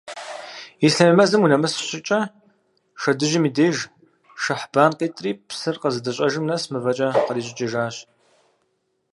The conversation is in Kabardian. Ислъэмей мэзым унэмыс щӀыкӀэ, Шэдыжьым и деж, Шэхьбан къитӀри, псыр къыздыщӀэжым нэс мывэкӀэ кърищӀыкӀыжащ.